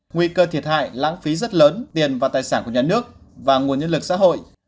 nguy cơ thiệt hại lãng phí rất lớn tiền và tài sản của nhà nước và nguồn nhân lực xã hội